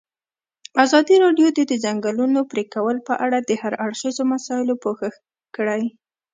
ازادي راډیو د د ځنګلونو پرېکول په اړه د هر اړخیزو مسایلو پوښښ کړی.